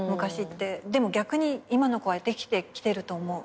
でも逆に今の子はできてきてると思う。